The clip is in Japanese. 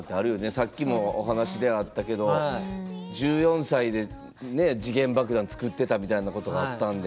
さっきもお話であったけど１４歳で時限爆弾作ってたみたいなことがあったんで。